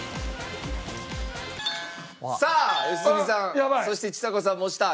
さあ良純さんそしてちさ子さんも押した。